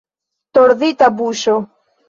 Tordita buŝo.